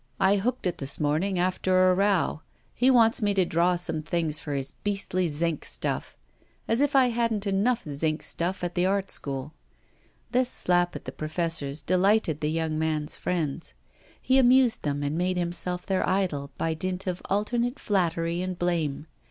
I hooked it this morning, after a row. He wants me to draw some things for his beastly zinc stuff. As if I hadn't enough zinc stuff at the Art School.' This slap at the professors delighted the young man's friends. He amused them and made himself their idol by dint of alternate flattery and blame.